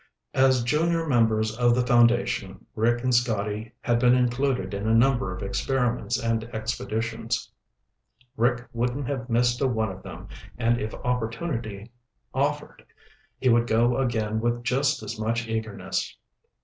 As junior members of the foundation, Rick and Scotty had been included in a number of experiments and expeditions. Rick wouldn't have missed a one of them, and if opportunity offered he would go again with just as much eagerness.